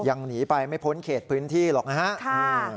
ยังหนีไปไม่พ้นเขตพื้นที่หรอกนะฮะค่ะ